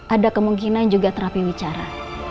ada kemungkinan juga terapi bicara